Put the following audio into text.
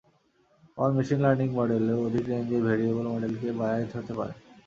আবার machine learning মডেলেও অধিক রেঞ্জের ভ্যারিয়েবল মডেলকে বায়াজড হতে পারে।